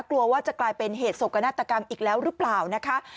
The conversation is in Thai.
กลัวว่าจะกลายเป็นเหตุสกนาฏกรรมอีกแล้วหรือเปล่านะคะ